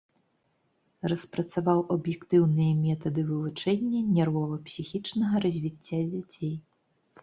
Распрацаваў аб'ектыўныя метады вывучэння нервова-псіхічнага развіцця дзяцей.